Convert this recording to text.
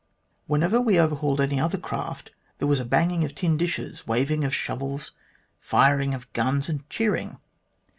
When ever we overhauled any other craft, there was a banging of tin dishes, waving of shovels, firing of guns, and cheering.